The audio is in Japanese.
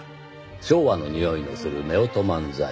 「昭和の匂いのする夫婦漫才」